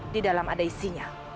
di dalam ada isinya